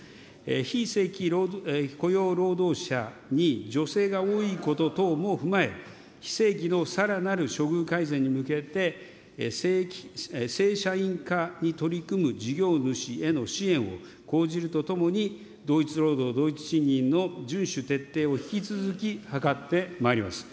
非正規雇用労働者に女性が多いこと等も踏まえ、非正規のさらなる処遇改善に向けて、正社員化に取り組む事業主への支援を講じるとともに、同一労働同一賃金の順守徹底を引き続き図ってまいります。